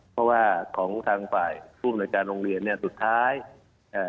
เพราะว่าของทางฝ่ายผู้อำนวยการโรงเรียนเนี้ยสุดท้ายเอ่อ